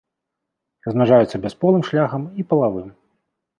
Размнажаюцца бясполым шляхам і палавым.